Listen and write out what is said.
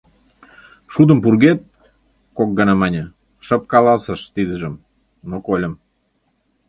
«Шудым пургед», — кок гана мане, шып каласыш тидыжым, но кольым.